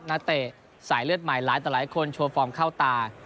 เตะสายเลือดใหม่หลายต่อหลายคนโชว์ฟอร์มเข้าตา